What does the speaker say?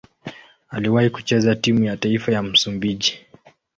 Aliwahi kucheza timu ya taifa ya Msumbiji.